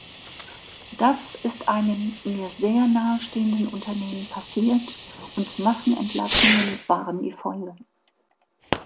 Das ist einem mir sehr nahestehenden Unternehmen passiert und Massenentlassungen waren die Folge.